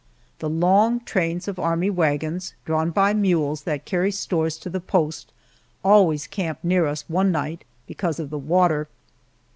The long trains of army wagons drawn by mules that carry stores to the post always camp near us one night, because of the water.